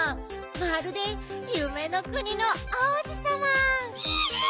まるでゆめのくにの王子さま！